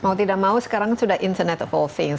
mau tidak mau sekarang sudah internet of all things